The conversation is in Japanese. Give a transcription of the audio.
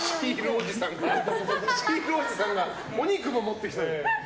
シールおじさんがお肉も持ってきてる。